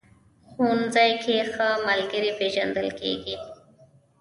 ښوونځی کې ښه ملګري پېژندل کېږي